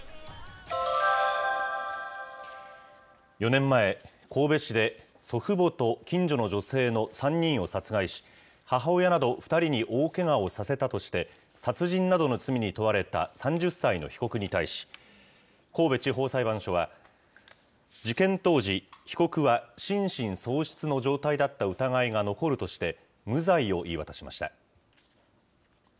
４年前、神戸市で、祖父母と近所の女性の３人を殺害し、母親など２人に大けがをさせたとして、殺人などの罪に問われた３０歳の被告に対し、神戸地方裁判所は、事件当時、被告は心神喪失の状態だった疑いが残るとして、無罪を言い渡しました。